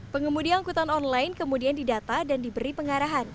pengemudi angkutan online kemudian didata dan diberi pengarahan